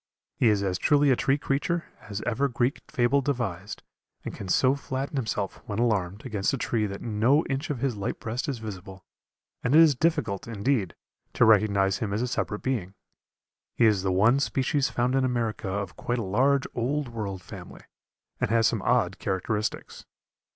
He is as truly a tree creature as ever Greek fable devised, and can so flatten himself, when alarmed, against a tree that no inch of his light breast is visible, and it is difficult, indeed, to recognize him as a separate being. He is the one species found in America of quite a large Old World family, and has some odd characteristics.